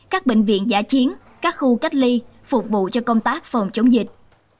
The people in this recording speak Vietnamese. các bệnh viện giả chiến các khu cách ly phục vụ cho công tác phòng chống dịch